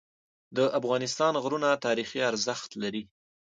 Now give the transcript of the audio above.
د افغانستان غرونه تاریخي ارزښت لري.